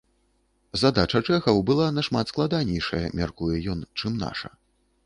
Задача чэхаў была нашмат складанейшая, мяркуе ён, чым наша.